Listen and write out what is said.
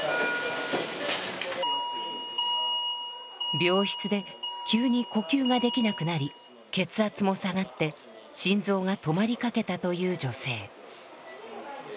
病室で急に呼吸ができなくなり血圧も下がって心臓が止まりかけたという女性。